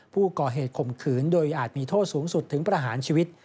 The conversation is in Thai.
ข่มขืนโดยอาจมีโทษสูงสุดถึงประหารชีวิต